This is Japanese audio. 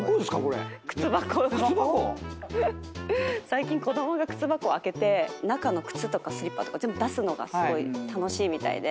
最近子供が靴箱開けて中の靴とかスリッパとか全部出すのがすごい楽しいみたいで。